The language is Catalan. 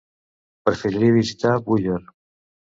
Preferiria visitar Búger.